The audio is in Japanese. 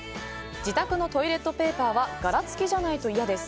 自宅のトイレットペーパーは柄付きじゃないと嫌です。